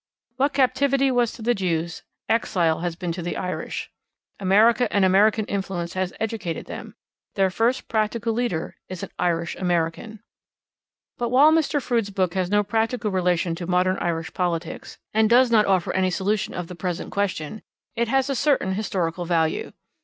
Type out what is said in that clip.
What captivity was to the Jews, exile has been to the Irish. America and American influence has educated them. Their first practical leader is an Irish American. But while Mr. Froude's book has no practical relation to modern Irish politics, and does not offer any solution of the present question, it has a certain historical value.